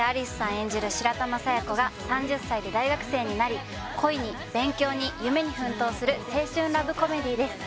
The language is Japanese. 演じる白玉佐弥子が３０歳で大学生になり恋に勉強に夢に奮闘する青春ラブコメディです